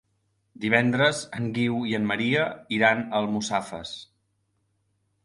Divendres en Guiu i en Maria iran a Almussafes.